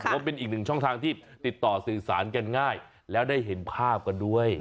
ว่าเป็นอีกหนึ่งช่องทางที่ติดต่อสื่อสารกันง่ายแล้วได้เห็นภาพกันด้วย